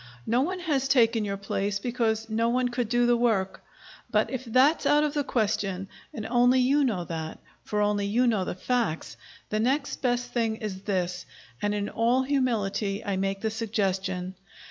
No one has taken your place, because no one could do the work. But if that's out of the question, and only you know that, for only you know the facts, the next best thing is this, and in all humility I make the suggestion.